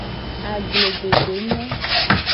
Agbledede nyo.